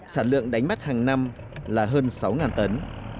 sản lượng đánh bắt hàng năm là hơn sáu tấn